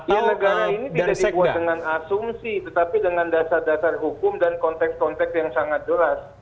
ya negara ini tidak dibuat dengan asumsi tetapi dengan dasar dasar hukum dan konteks konteks yang sangat jelas